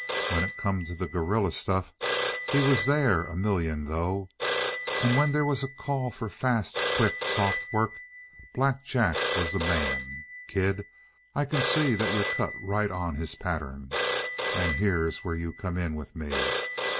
When it come to the gorilla stuff, he was there a million, though. And when there was a call for fast, quick, soft work, Black Jack was the man. Kid, I can see that you're cut right on his pattern. And here's where you come in with me.